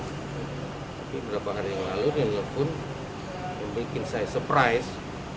tapi beberapa hari yang lalu nelfon membuat saya surprise